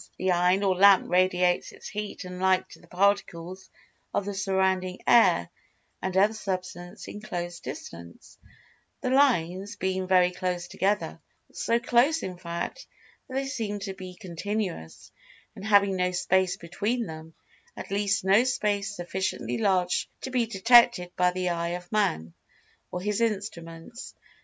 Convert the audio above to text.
The iron or lamp radiates its heat and light to the particles of the surrounding air and other Substance in close distance, the "lines" being very close together,—so close in fact that they seem to be continuous and having no space between them, at least no Space sufficiently large to be detected by the eye of Man, or his instruments.